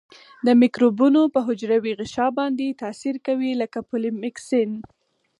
د مکروبونو په حجروي غشا باندې تاثیر کوي لکه پولیمیکسین.